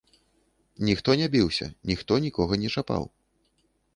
Ніхто не біўся, ніхто нікога не чапаў.